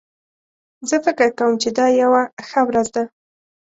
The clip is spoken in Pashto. زه فکر کوم چې دا یو ښه ورځ ده